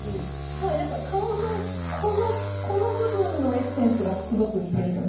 何か顔のこのこの部分のエッセンスがすごく似てると。